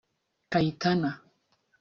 Kayitani